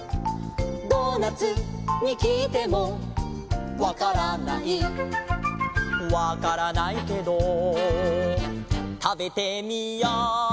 「ドーナツに聞いてもわからない」「わからないけど食べてみよう」